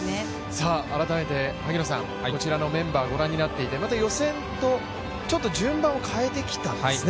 改めて萩野さん、こちらのメンバーご覧になっていて、また予選とちょっと順番を変えてきたんですね。